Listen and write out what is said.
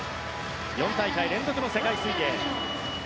４大会連続の世界水泳。